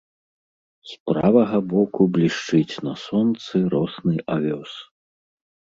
З правага боку блішчыць на сонцы росны авёс.